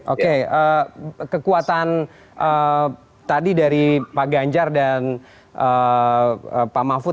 oke kekuatan tadi dari pak ganjar dan pak mahfud